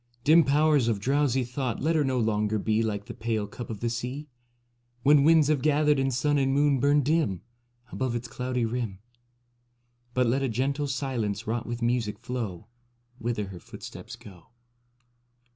Dim Powers of drowsy thought, let her no longer be Like the pale cup of the sea, When winds have gathered and sun and moon burned dim Above its cloudy rim; But let a gentle silence wrought with music flow Whither her footsteps go.